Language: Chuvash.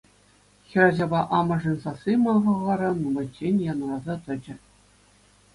Хӗрачапа амӑшӗн сасси ман хӑлхара нумайччен янӑраса тӑчӗ.